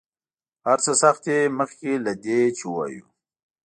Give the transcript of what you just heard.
هر څه سخت دي مخکې له دې چې ووایو.